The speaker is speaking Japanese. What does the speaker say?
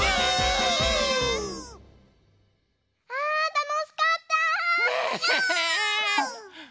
あたのしかった！ね。